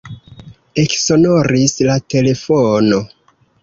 Eksonoris la telefono.